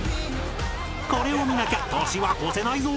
これを見なきゃ年は越せないぞ！